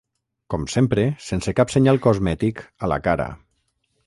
Com sempre, sense cap senyal cosmètic a la cara.